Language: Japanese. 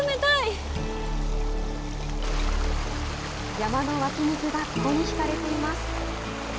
山の湧き水がここに引かれています。